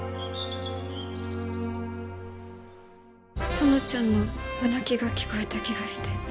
園ちゃんの夜泣きが聞こえた気がして。